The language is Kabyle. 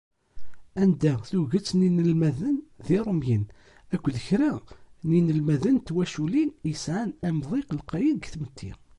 Anda tuget n yinelmaden d Irumyen akked kra n yinelmaden n twaculin yesεan amḍiq lqayen deg tmetti.